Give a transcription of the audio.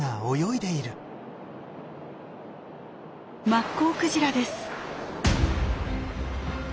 マッコウクジラです。